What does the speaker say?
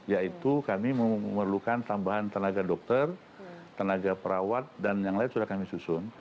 yaitu kami memerlukan tambahan tenaga dokter tenaga perawat dan yang lain sudah kami susun